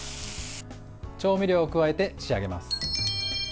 調味料を加えて仕上げます。